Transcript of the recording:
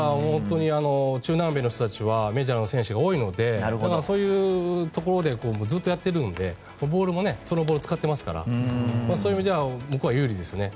中南米の人たちはメジャーの選手が多いのでだから、そういうところでずっとやっているのでボールもそのボールを使ってますからそういう意味では向こうは有利ですね。